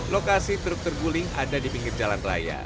lokasi truk terguling ada di pinggir jalan raya